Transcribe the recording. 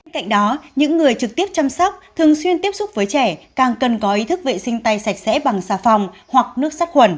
cạnh đó những người trực tiếp chăm sóc thường xuyên tiếp xúc với trẻ càng cần có ý thức vệ sinh tay sạch sẽ bằng xà phòng hoặc nước sắc khuẩn